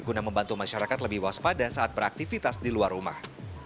guna membantu masyarakat lebih waspada saat beraktivitas di luar rumah